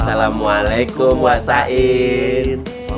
assalamualaikum pak sait